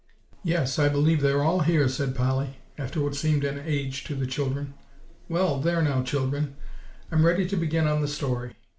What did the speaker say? "Yes, I believe they're all here," said Polly, after what seemed an age to the children. "Well, there now, children, I'm ready to begin on the story.